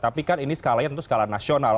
tapi kan ini skalanya tentu skala nasional